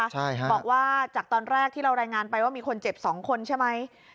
ใช่ค่ะบอกว่าจากตอนแรกที่เรารายงานไปว่ามีคนเจ็บ๒คนใช่ไหม